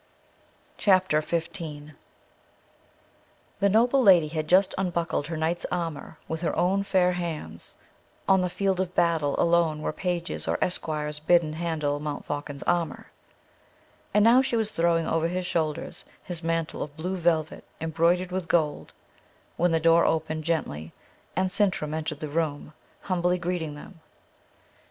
CHAPTER 15 The noble lady had just unbuckled her knight's armour with her own fair hands, on the field of battle alone were pages or esquires bidden handle Montfaucon's armour, and now she was throwing over his shoulders his mantle of blue velvet embroidered with gold, when the door opened gently, and Sintram entered the room, humbly greeting them.